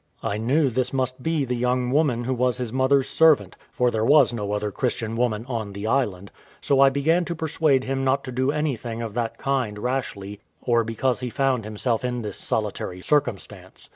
I knew this must be the young woman who was his mother's servant, for there was no other Christian woman on the island: so I began to persuade him not to do anything of that kind rashly, or because he found himself in this solitary circumstance.